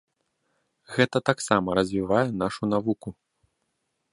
Гэта таксама развівае нашу навуку.